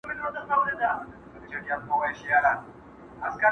• درد له نسل څخه تېرېږي تل,